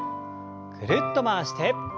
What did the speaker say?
ぐるっと回して。